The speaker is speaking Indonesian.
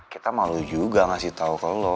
kita malu juga ngasih tau ke lo